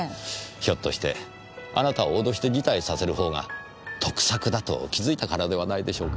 ひょっとしてあなたを脅して辞退させるほうが得策だと気づいたからではないでしょうか。